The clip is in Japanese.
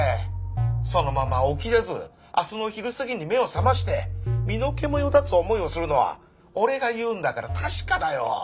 そのまま起きれず明日の昼過ぎに目を覚まして身の毛もよだつ思いをするのはおれが言うんだから確かだよ！